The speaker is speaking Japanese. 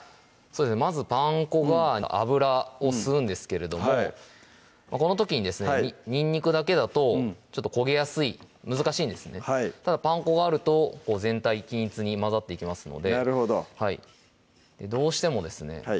まずパン粉が油を吸うんですけれどもこの時にですねにんにくだけだと焦げやすい難しいんですねはいパン粉があると全体均一に混ざっていきますのでなるほどどうしてもですね